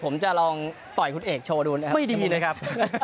ไม่ดีนะครับ